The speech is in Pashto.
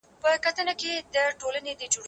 کتابونه وليکه